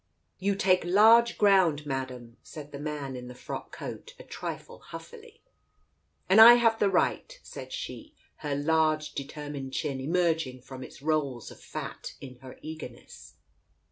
"You take large ground, Madam," said the man in the frock coat, a trifle huffily. "And I have the right; " said she, her large determined chin emerging from its rolls of fat in her eagerness.